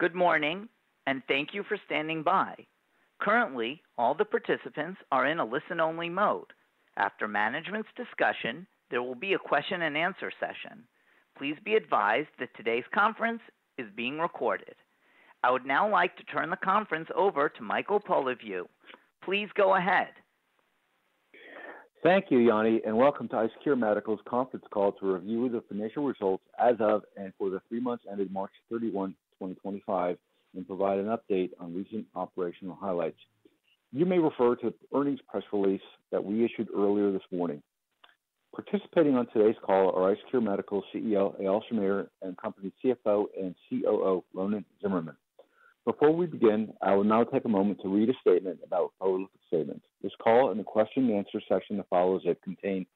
Good morning, and thank you for standing by. Currently, all the participants are in a listen-only mode. After management's discussion, there will be a question-and-answer session. Please be advised that today's conference is being recorded. I would now like to turn the conference over to Michael Polyviou. Please go ahead. Thank you, Yanni, and welcome to IceCure Medical's conference call to review the financial results as of and for the three months ending March 31, 2025, and provide an update on recent operational highlights. You may refer to the earnings press release that we issued earlier this morning. Participating on today's call are IceCure Medical CEO Eyal Shamir and company CFO and COO Ronen Tsimerman. Before we begin, I will now take a moment to read a statement about forward-looking statements. This call and the question-and-answer session that follows it contain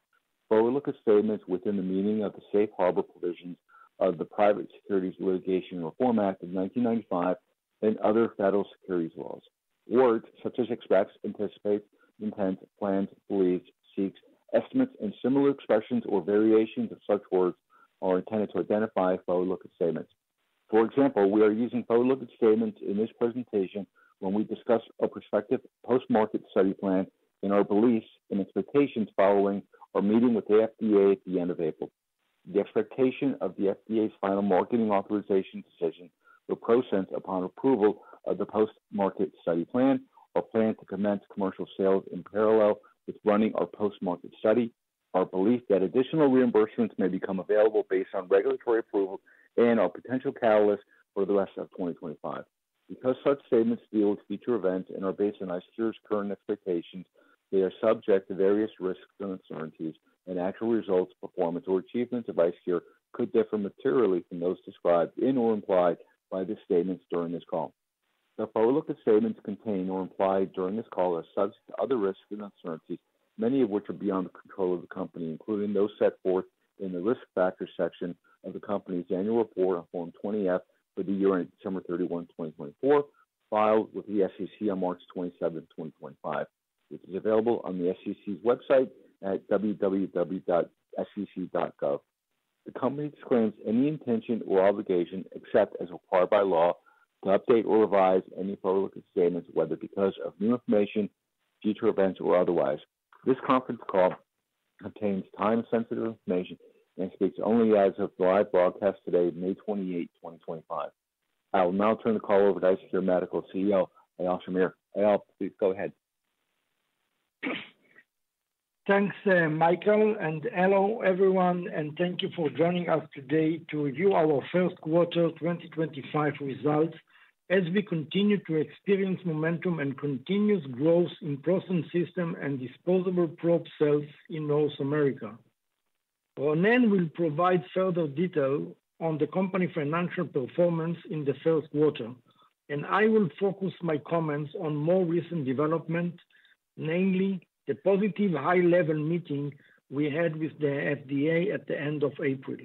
forward-looking statements within the meaning of the safe harbor provisions of the Private Securities Litigation Reform Act of 1995 and other federal securities laws. Words such as expects, anticipates, intends, plans, believes, seeks, estimates, and similar expressions or variations of such words are intended to identify forward-looking statements. For example, we are using forward-looking statements in this presentation when we discuss a prospective post-market study plan and our beliefs and expectations following our meeting with the FDA at the end of April. The expectation of the FDA's final marketing authorization decision will proceed upon approval of the post-market study plan, our plan to commence commercial sales in parallel with running our post-market study, our belief that additional reimbursements may become available based on regulatory approval, and our potential catalyst for the rest of 2025. Because such statements deal with future events and are based on IceCure's current expectations, they are subject to various risks and uncertainties, and actual results, performance, or achievements of IceCure could differ materially from those described in or implied by the statements during this call. The forward-looking statements contained or implied during this call are subject to other risks and uncertainties, many of which are beyond the control of the company, including those set forth in the risk factor section of the company's annual report on Form 20F for the year ending December 31, 2024, filed with the SEC on March 27, 2025, which is available on the SEC's website at www.sec.gov. The company screens any intention or obligation except as required by law to update or revise any forward-looking statements, whether because of new information, future events, or otherwise. This conference call contains time-sensitive information and speaks only as of the live broadcast today, May 28, 2025. I will now turn the call over to IceCure Medical CEO Eyal Shamir. Eyal, please go ahead. Thanks, Michael, and hello everyone, and thank you for joining us today to review our first quarter 2025 results as we continue to experience momentum and continuous growth in ProSense systems and disposable probe sales in North America. Ronen will provide further detail on the company's financial performance in the first quarter, and I will focus my comments on more recent developments, namely the positive high-level meeting we had with the FDA at the end of April.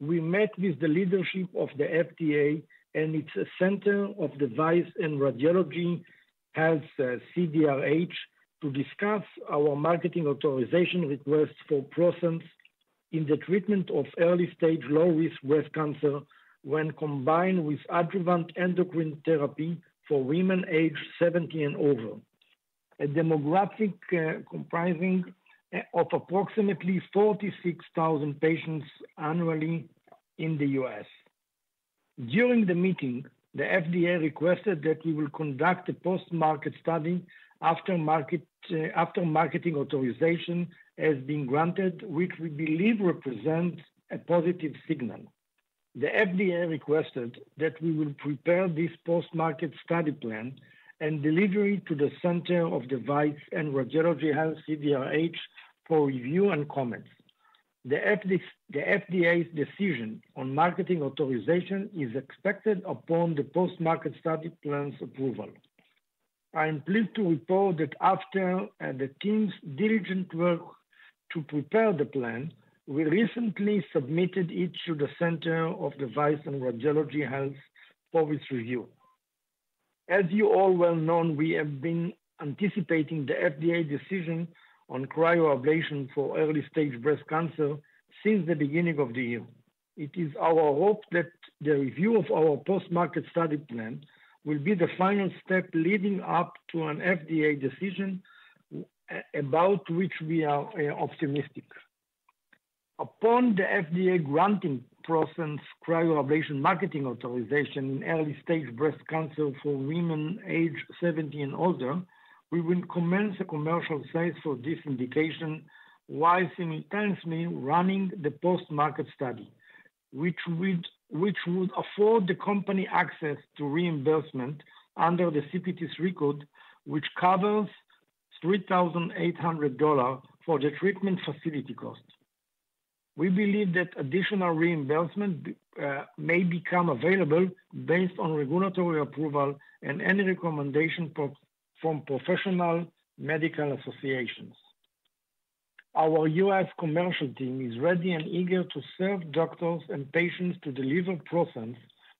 We met with the leadership of the FDA and its Center for Devices and Radiological Health, CDRH, to discuss our marketing authorization request for ProSense in the treatment of early-stage low-risk breast cancer when combined with adjuvant endocrine therapy for women aged 70 and over, a demographic comprising approximately 46,000 patients annually in the U.S. During the meeting, the FDA requested that we will conduct a post-market study after marketing authorization has been granted, which we believe represents a positive signal. The FDA requested that we will prepare this post-market study plan and deliver it to the Center of Device and Radiology Health, CDRH, for review and comments. The FDA's decision on marketing authorization is expected upon the post-market study plan's approval. I am pleased to report that after the team's diligent work to prepare the plan, we recently submitted it to the Center of Device and Radiology Health for its review. As you all well know, we have been anticipating the FDA decision on cryoablation for early-stage breast cancer since the beginning of the year. It is our hope that the review of our post-market study plan will be the final step leading up to an FDA decision about which we are optimistic. Upon the FDA granting ProSense cryoablation marketing authorization in early-stage breast cancer for women aged 70 and older, we will commence commercial sales for this indication while simultaneously running the post-market study, which would afford the company access to reimbursement under the CPT3 code, which covers $3,800 for the treatment facility cost. We believe that additional reimbursement may become available based on regulatory approval and any recommendation from professional medical associations. Our U.S. commercial team is ready and eager to serve doctors and patients to deliver ProSense,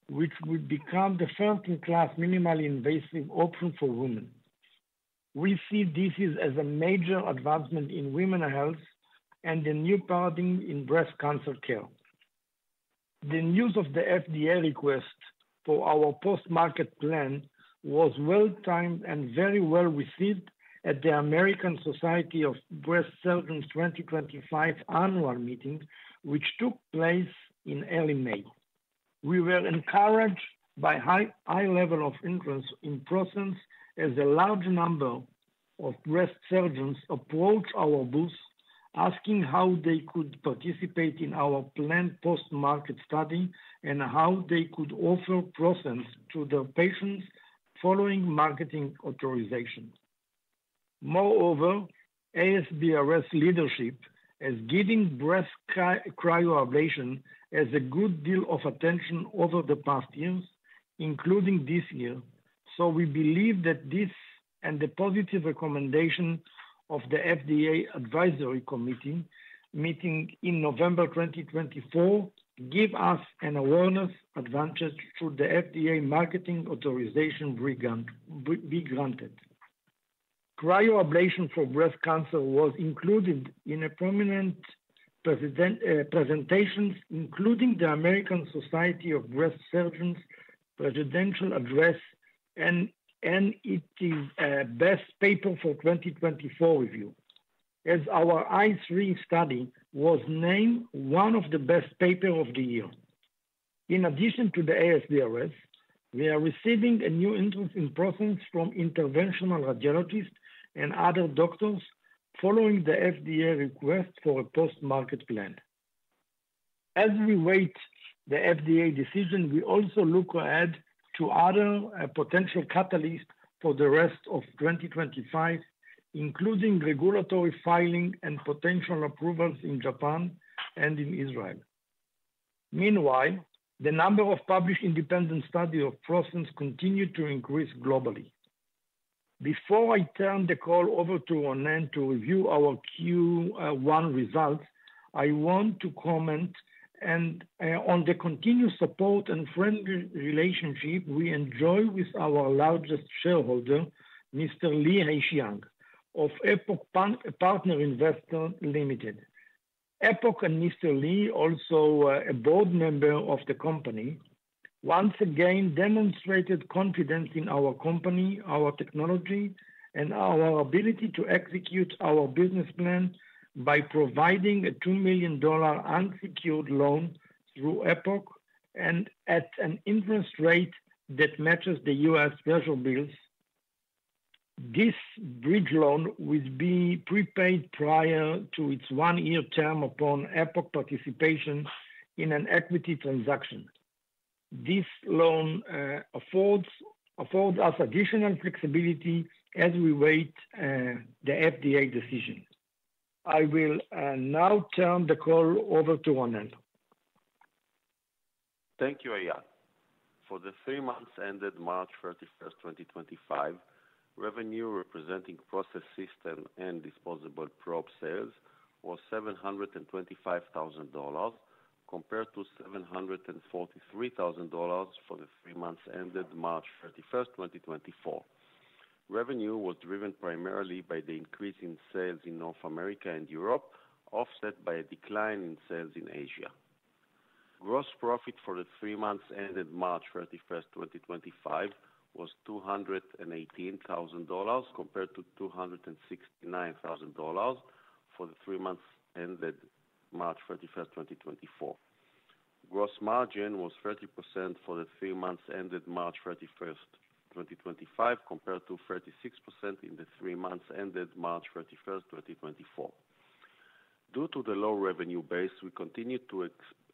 which would become the first-in-class minimally invasive option for women. We see this as a major advancement in women's health and a new paradigm in breast cancer care. The news of the FDA request for our post-market plan was well-timed and very well-received at the American Society of Breast Surgeons' 2025 annual meeting, which took place in early May. We were encouraged by a high level of interest in ProSense as a large number of breast surgeons approached our booth, asking how they could participate in our planned post-market study and how they could offer ProSense to the patients following marketing authorization. Moreover, ASBRS leadership has given breast cryoablation a good deal of attention over the past years, including this year, so we believe that this and the positive recommendation of the FDA Advisory Committee meeting in November 2024 give us an awareness advantage should the FDA marketing authorization be granted. Cryoablation for breast cancer was included in a prominent presentation, including the American Society of Breast Surgeons' presidential address, and it is a best paper for 2024 review, as our ICE3 study was named one of the best papers of the year. In addition to the ASBRS, we are receiving a new interest in ProSense from interventional radiologists and other doctors following the FDA request for a post-market plan. As we await the FDA decision, we also look ahead to other potential catalysts for the rest of 2025, including regulatory filing and potential approvals in Japan and in Israel. Meanwhile, the number of published independent studies of ProSense continues to increase globally. Before I turn the call over to Ronen to review our Q1 results, I want to comment on the continued support and friendly relationship we enjoy with our largest shareholder, Mr. Lee Hai-Shiang, of Epoch Partner Investment Limited. Epoch and Mr. Lee, also a board member of the company, once again demonstrated confidence in our company, our technology, and our ability to execute our business plan by providing a $2 million unsecured loan through Epoch and at an interest rate that matches the U.S. special bills. This bridge loan will be prepaid prior to its one-year term upon Epoch participation in an equity transaction. This loan affords us additional flexibility as we await the FDA decision. I will now turn the call over to Ronen. Thank you, Eyal. For the three months ended March 31, 2025, revenue representing processing systems and disposable probe sales was $725,000, compared to $743,000 for the three months ended March 31, 2024. Revenue was driven primarily by the increase in sales in North America and Europe, offset by a decline in sales in Asia. Gross profit for the three months ended March 31, 2025, was $218,000, compared to $269,000 for the three months ended March 31, 2024. Gross margin was 30% for the three months ended March 31, 2025, compared to 36% in the three months ended March 31, 2024. Due to the low revenue base, we continue to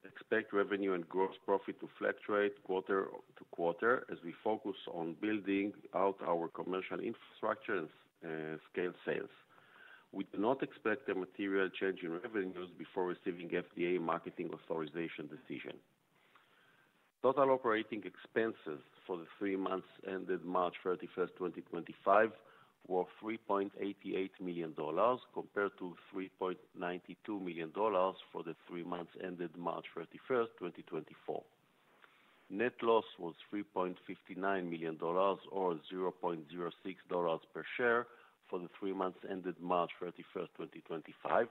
expect revenue and gross profit to fluctuate quarter to quarter as we focus on building out our commercial infrastructure and scale sales. We do not expect a material change in revenues before receiving FDA marketing authorization decision. Total operating expenses for the three months ended March 31, 2025, were $3.88 million, compared to $3.92 million for the three months ended March 31, 2024. Net loss was $3.59 million, or $0.06 per share, for the three months ended March 31, 2025,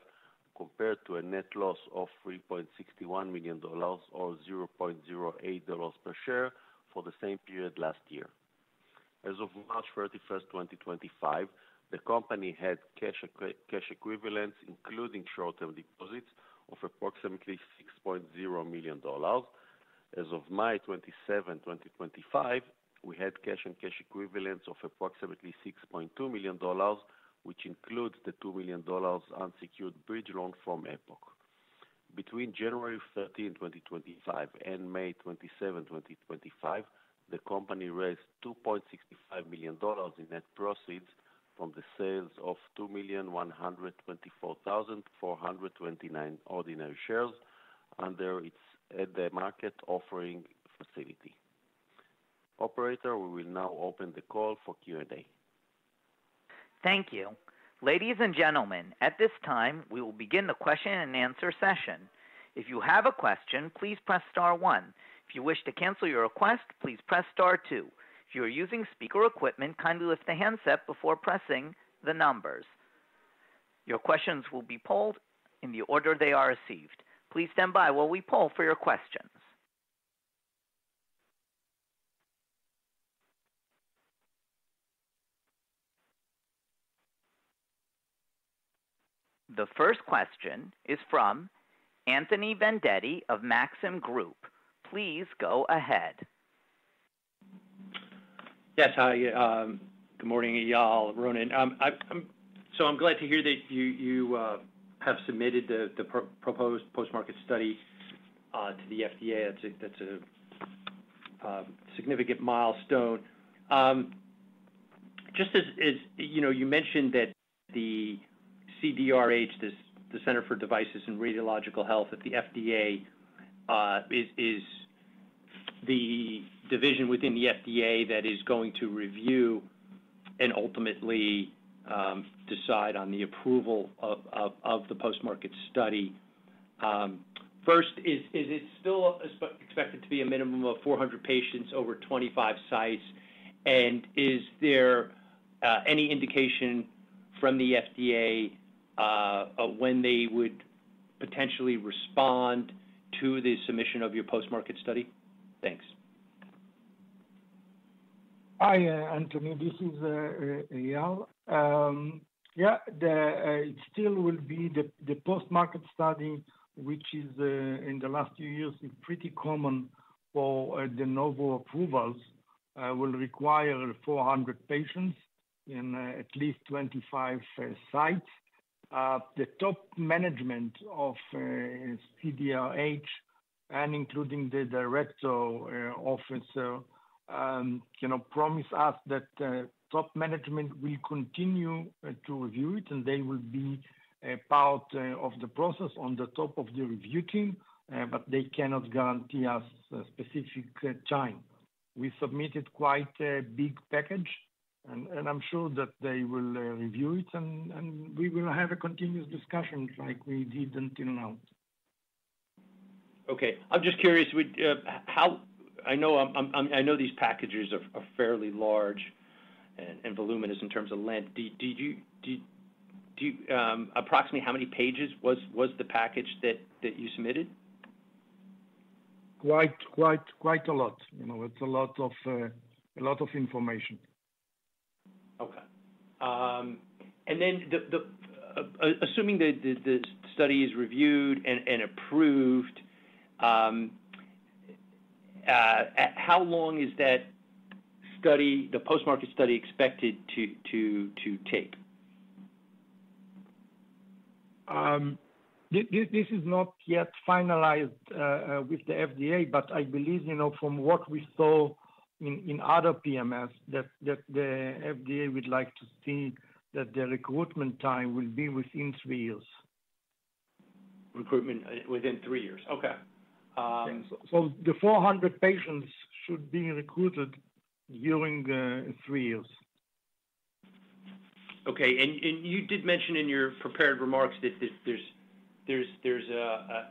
compared to a net loss of $3.61 million, or $0.08 per share for the same period last year. As of March 31, 2025, the company had cash equivalents, including short-term deposits, of approximately $6.0 million. As of May 27, 2025, we had cash and cash equivalents of approximately $6.2 million, which includes the $2 million unsecured bridge loan from Epoch. Between January 13, 2025, and May 27, 2025, the company raised $2.65 million in net proceeds from the sales of 2,124,429 ordinary shares under its market offering facility. Operator, we will now open the call for Q&A. Thank you. Ladies and gentlemen, at this time, we will begin the question-and-answer session. If you have a question, please press star one. If you wish to cancel your request, please press star two. If you are using speaker equipment, kindly lift the handset before pressing the numbers. Your questions will be polled in the order they are received. Please stand by while we poll for your questions. The first question is from Anthony V. Vendetti of Maxim Group. Please go ahead. Yes, hi. Good morning, Eyal, Ronen. I'm glad to hear that you have submitted the proposed post-market study to the FDA. That's a significant milestone. Just as you mentioned that the CDRH, the Center for Devices and Radiological Health at the FDA, is the division within the FDA that is going to review and ultimately decide on the approval of the post-market study. First, is it still expected to be a minimum of 400 patients over 25 sites, and is there any indication from the FDA when they would potentially respond to the submission of your post-market study? Thanks. Hi, Anthony. This is Eyal. Yeah, it still will be the post-market study, which in the last few years is pretty common for the de novo approvals. It will require 400 patients in at least 25 sites. The top management of CDRH, including the Director Officer, promised us that top management will continue to review it, and they will be part of the process on the top of the review team, but they cannot guarantee us a specific time. We submitted quite a big package, and I'm sure that they will review it, and we will have a continuous discussion like we did until now. Okay. I'm just curious. I know these packages are fairly large and voluminous in terms of length. Approximately how many pages was the package that you submitted? Quite a lot. It's a lot of information. Okay. Assuming the study is reviewed and approved, how long is the post-market study expected to take? This is not yet finalized with the FDA, but I believe from what we saw in other PMS, the FDA would like to see that the recruitment time will be within three years. Recruitment within three years. Okay. The 400 patients should be recruited during three years. Okay. You did mention in your prepared remarks that there's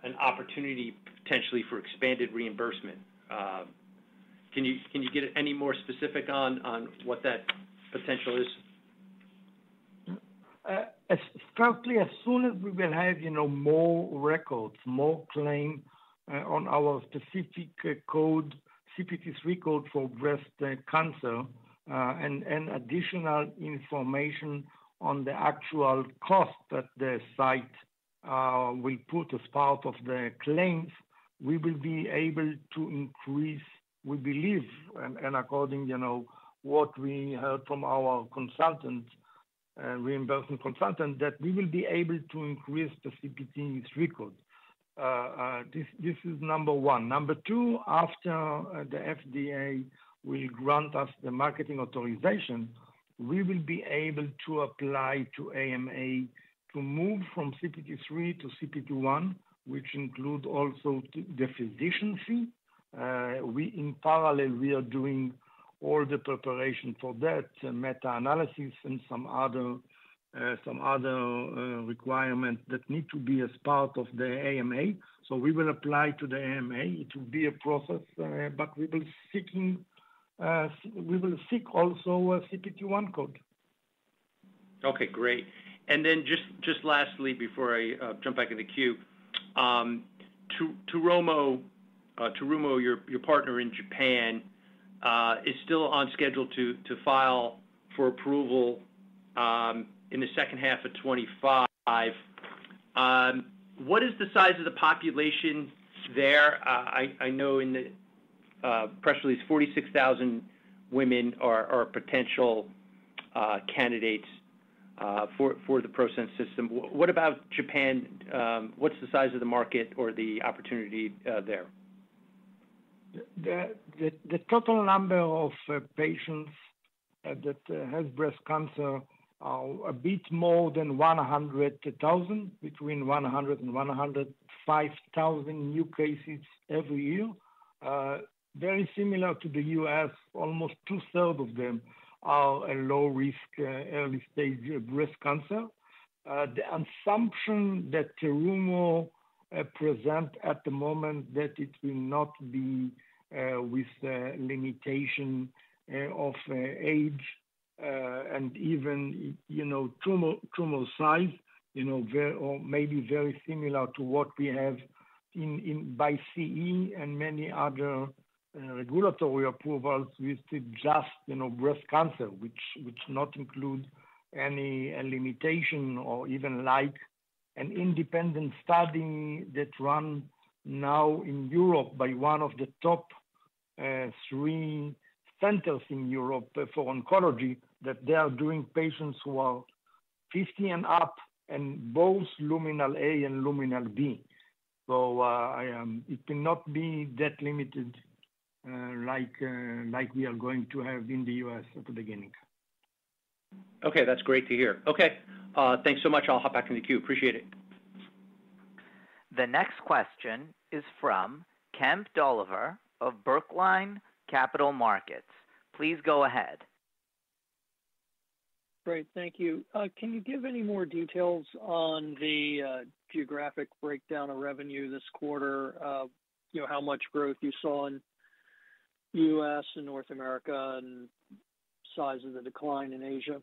an opportunity potentially for expanded reimbursement. Can you get any more specific on what that potential is? Certainly, as soon as we will have more records, more claims on our specific CPT3 record for breast cancer and additional information on the actual cost that the site will put as part of the claims, we will be able to increase, we believe, and according to what we heard from our reimbursement consultant, that we will be able to increase the CPT3 record. This is number one. Number two, after the FDA will grant us the marketing authorization, we will be able to apply to AMA to move from CPT3 to CPT1, which includes also the physician fee. In parallel, we are doing all the preparation for that, meta-analysis and some other requirements that need to be as part of the AMA. We will apply to the AMA. It will be a process, but we will seek also a CPT1 code. Okay. Great. And then just lastly, before I jump back in the queue, Tlilit Tel-Tsure, your partner in Japan, is still on schedule to file for approval in the second half of 2025. What is the size of the population there? I know in the press release, 46,000 women are potential candidates for the ProSense system. What about Japan? What's the size of the market or the opportunity there? The total number of patients that have breast cancer are a bit more than 100,000, between 100,000 and 105,000 new cases every year. Very similar to the U.S., almost two-thirds of them are low-risk early-stage breast cancer. The assumption that Tlilit present at the moment is that it will not be with limitation of age and even tumor size, maybe very similar to what we have by CE and many other regulatory approvals with just breast cancer, which does not include any limitation or even like an independent study that's run now in Europe by one of the top three centers in Europe for oncology that they are doing patients who are 50 and up and both luminal A and luminal B. It will not be that limited like we are going to have in the U.S. at the beginning. Okay. That's great to hear. Okay. Thanks so much. I'll hop back in the queue. Appreciate it. The next question is from Brian Kemp Dolliver of Brookline Capital Markets. Please go ahead. Great. Thank you. Can you give any more details on the geographic breakdown of revenue this quarter, how much growth you saw in the U.S. and North America, and the size of the decline in Asia?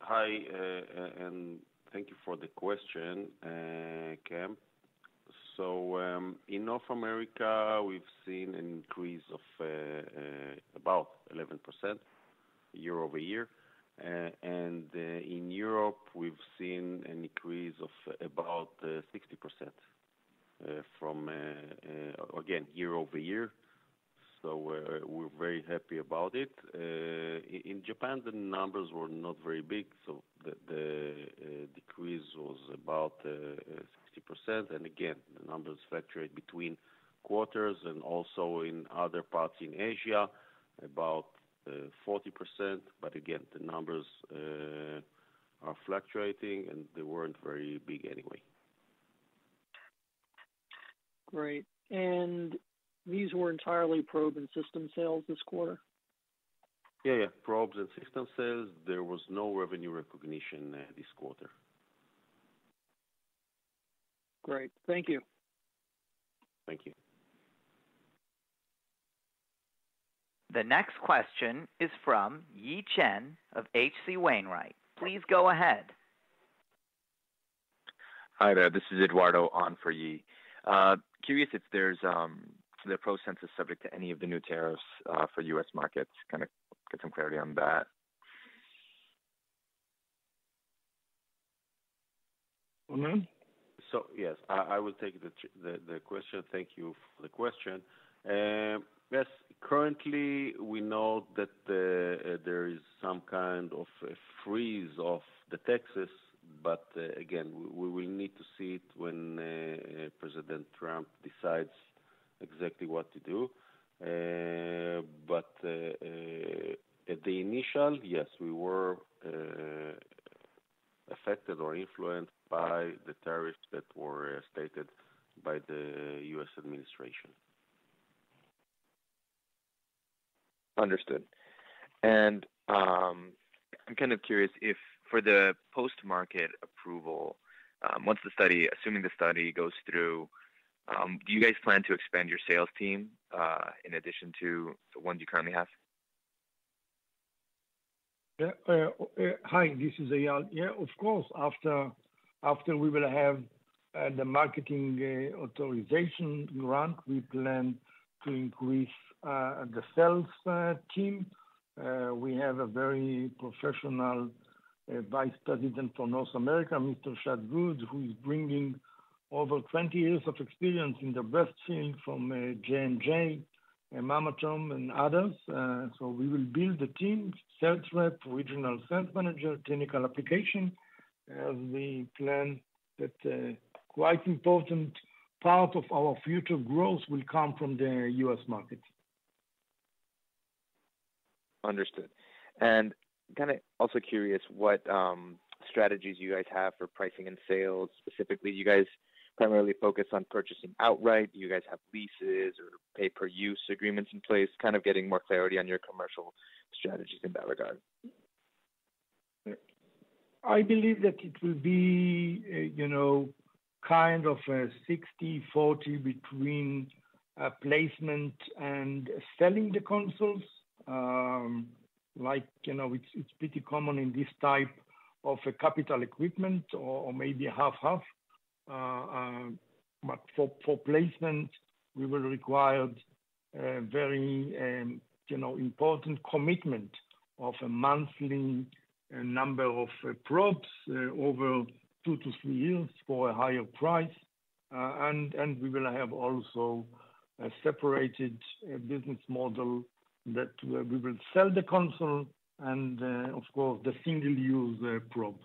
Hi. Thank you for the question, Camp. In North America, we've seen an increase of about 11% year-over-year. In Europe, we've seen an increase of about 60%, again, year-over-year. We're very happy about it. In Japan, the numbers were not very big. The decrease was about 60%. Again, the numbers fluctuate between quarters and also in other parts in Asia, about 40%. Again, the numbers are fluctuating, and they weren't very big anyway. Great. These were entirely probe and system sales this quarter? Yeah, yeah. Probes and system sales. There was no revenue recognition this quarter. Great. Thank you. Thank you. The next question is from Ye Chen of H.C. Wainwright & Co. Please go ahead. Hi, there. This is Eduardo on for Ye. Curious if the ProSense is subject to any of the new tariffs for U.S. markets. Kind of get some clarity on that. Ronen? Yes. I will take the question. Thank you for the question. Yes, currently, we know that there is some kind of freeze of the taxes, but again, we will need to see it when President Trump decides exactly what to do. At the initial, yes, we were affected or influenced by the tariffs that were stated by the U.S. administration. Understood. I'm kind of curious if for the post-market approval, assuming the study goes through, do you guys plan to expand your sales team in addition to the ones you currently have? Hi, this is Eyal. Yeah, of course. After we will have the marketing authorization grant, we plan to increase the sales team. We have a very professional Vice President for North America, Mr. Chad Woods, who is bringing over 20 years of experience in the breast field from Johnson & Johnson, Mammotome, and others. We will build the team, sales rep, regional sales manager, clinical application. We plan that a quite important part of our future growth will come from the U.S. market. Understood. Kind of also curious what strategies you guys have for pricing and sales. Specifically, do you guys primarily focus on purchasing outright? Do you guys have leases or pay-per-use agreements in place? Kind of getting more clarity on your commercial strategies in that regard. I believe that it will be kind of 60/40 between placement and selling the consoles. It's pretty common in this type of capital equipment or maybe half-half. For placement, we will require a very important commitment of a monthly number of probes over two to three years for a higher price. We will have also a separated business model that we will sell the console and, of course, the single-use probe.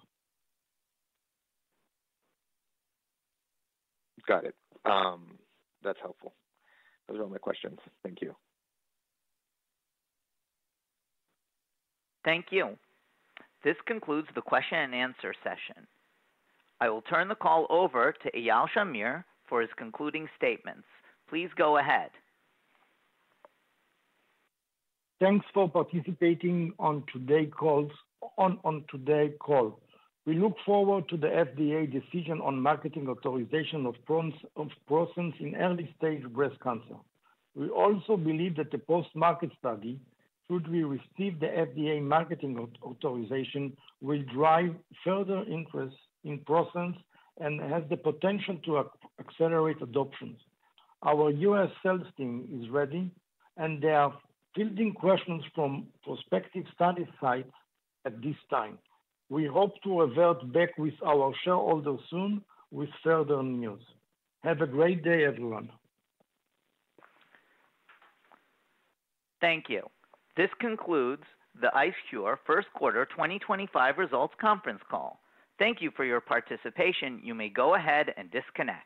Got it. That's helpful. Those are all my questions. Thank you. Thank you. This concludes the question-and-answer session. I will turn the call over to Eyal Shamir for his concluding statements. Please go ahead. Thanks for participating on today's call. We look forward to the FDA decision on marketing authorization of ProSense in early-stage breast cancer. We also believe that the post-market study, should we receive the FDA marketing authorization, will drive further interest in ProSense and has the potential to accelerate adoption. Our U.S. sales team is ready, and they are fielding questions from prospective study sites at this time. We hope to revert back with our shareholders soon with further news. Have a great day, everyone. Thank you. This concludes the IceCure First Quarter 2025 Results Conference Call. Thank you for your participation. You may go ahead and disconnect.